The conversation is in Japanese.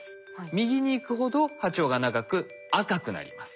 右に行くほど波長が長く赤くなります。